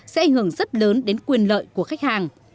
sẽ ảnh hưởng rất lớn đến quyền lợi của khách hàng